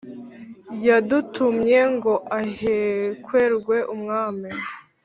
yadutumye ngo ahekwerwe umwami"